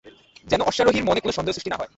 যেন অশ্বারোহীর মনে কোন সন্দেহ সৃষ্টি না হয়।